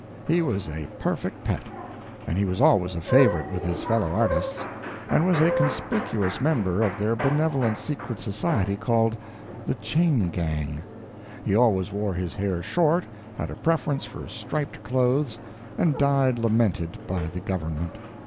He was a perfect pet. And he was always a favorite with his fellow artists, and was a conspicuous member of their benevolent secret society, called the Chain Gang. He always wore his hair short, had a preference for striped clothes, and died lamented by the government.